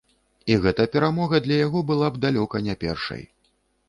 І гэта перамога для яго была б далёка не першай.